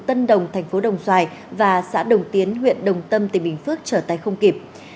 tân đồng thành phố đồng xoài và xã đồng tiến huyện đồng tâm tỉnh bình phước trở tay không kịp